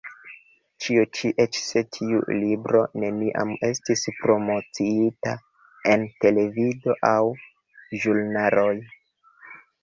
Ĉio ĉi, eĉ se tiu libro neniam estis promociita en televido aŭ ĵurnaloj.